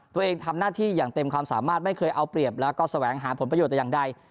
ตัวเองทำหน้าที่อย่างเต็มความสามารถไม่เคยเอาเปรียบแล้วก็แสวงหาผลประโยชน์แต่อย่างใด